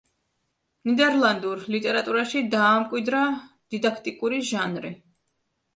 ნიდერლანდურ ლიტერატურაში დაამკვიდრა დიდაქტიკური ჟანრი.